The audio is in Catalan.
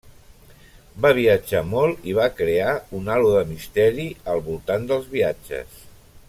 Va viatjar molt i va crear un halo de misteri al voltant dels viatges.